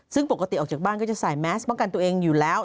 ซึ่งปกติออกจากบ้านก็จะใส่แมสป้องกันตัวเองอยู่แล้ว